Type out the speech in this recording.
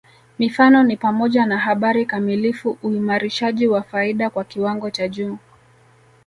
Mifano ni pamoja na habari kamilifu uimarishaji wa faida kwa kiwango cha juu